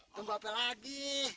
tunggu apa lagi